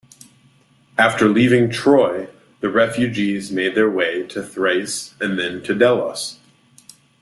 After leaving Troy, the refugees make their way Thrace and then to Delos.